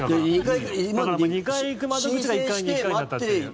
２回行く窓口が１回になったっていう。